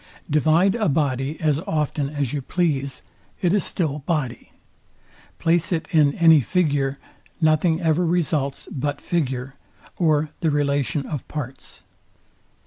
Divide a body as often as you please, it is still body. Place it in any figure, nothing ever results but figure, or the relation of parts.